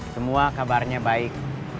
semua kabarnya baik